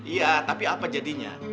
iya tapi apa jadinya